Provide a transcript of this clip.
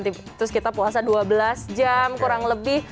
terus kita puasa dua belas jam kurang lebih